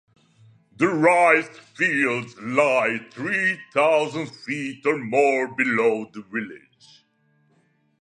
The rice fields lie three thousand feet or more below the village.